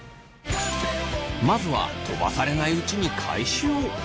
まずは飛ばされないうちに回収を。